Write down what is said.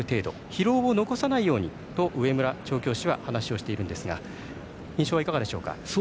疲労を残さないようにと上村調教師は話をしているんですが印象はいかがでしょうか？